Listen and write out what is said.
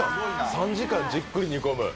３時間じっくり煮込む